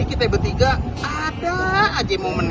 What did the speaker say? ini kita bertiga ada aja momennya